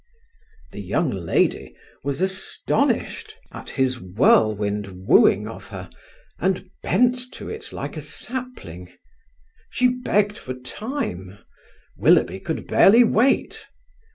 The young lady was astonished at his whirlwind wooing of her, and bent to it like a sapling. She begged for time; Willoughby could barely wait.